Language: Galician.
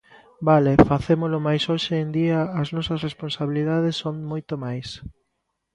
Vale, facémolo mais hoxe en día as nosas responsabilidades son moito máis.